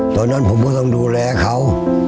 ตอนนั้นผมก็ต้องดูแลเขา